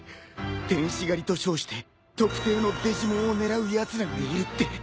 天使狩りと称して特定のデジモンを狙うやつらがいるって。